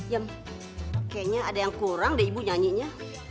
ya kayaknya ada yang kurang deh ibu nyanyinya